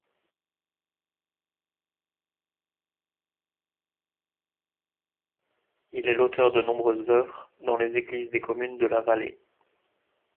Il est l'auteur de nombreuses œuvres dans les églises des communes de la vallée.